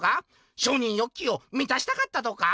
承認欲求をみたしたかったとか？」